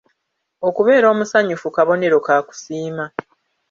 Okubeera omusanyufu kabonero ka kusiima.